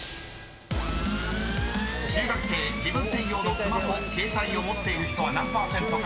［中学生自分専用のスマホ携帯を持っている人は何％か］